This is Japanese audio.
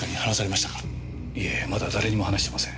いえまだ誰にも話してません。